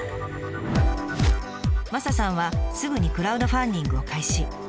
マサさんはすぐにクラウドファンディングを開始！